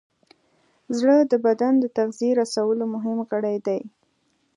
زړه د بدن د تغذیې رسولو مهم غړی دی.